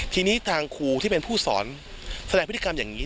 ทีนี้ทางครูที่เป็นผู้สอนแสดงพฤติกรรมอย่างนี้